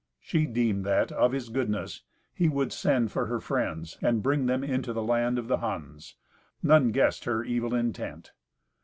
She deemed that, of his goodness, he would send for her friends and bring them into the land of the Huns. None guessed her evil intent.